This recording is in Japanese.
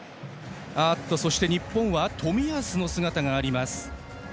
そして日本は冨安の姿があります。